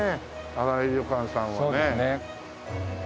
新井旅館さんはね。